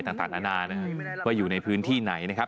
ต่างอาณานะครับว่าอยู่ในพื้นที่ไหนนะครับ